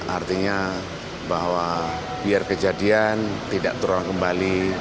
artinya bahwa biar kejadian tidak terulang kembali